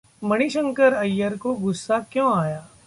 मणिशंकर अय्यर को गुस्सा क्यों आया...